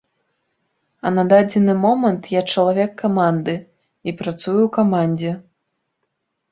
А на дадзены момант я чалавек каманды і працую ў камандзе.